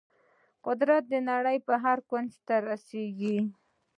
قدرت د نړۍ هر کونج ته رسیږي.